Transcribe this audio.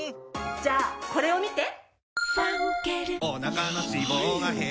じゃあこれを見て！